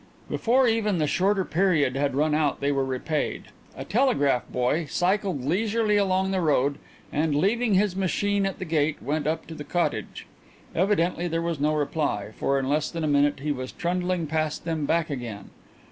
Before even the shorter period had run out they were repaid. A telegraph boy cycled leisurely along the road, and, leaving his machine at the gate, went up to the cottage. Evidently there was no reply, for in less than a minute he was trundling past them back again.